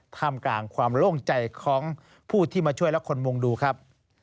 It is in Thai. ท่ามกลางความโล่งใจของผู้ที่มาช่วยและคนมุงดูครับ